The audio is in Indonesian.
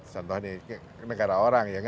contohnya negara orang ya